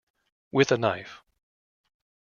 With a knife.